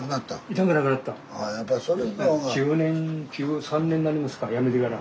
１０年１３年になりますかやめてから。